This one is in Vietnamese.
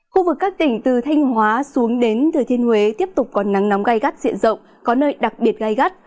khu vực các tỉnh từ thanh hóa xuống đến thừa thiên huế tiếp tục có nắng nóng gai gắt diện rộng có nơi đặc biệt gai gắt